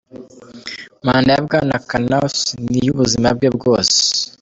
Manda ya Bwana Kavanaugh ni iy'ubuzima bwe bwose.